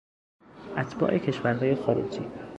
اتباع کشورهای خارجی